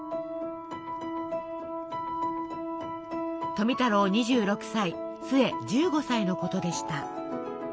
富太郎２６歳壽衛１５歳のことでした。